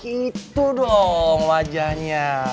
itu dong wajahnya